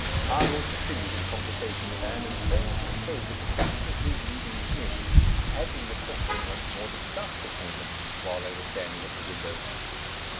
Arnold continued his conversation with Anne in terms which showed that the question of his leaving the inn had been the question once more discussed between them while they were standing at the window.